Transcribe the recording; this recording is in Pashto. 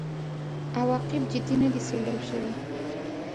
عواقب جدي نه دي څېړل شوي.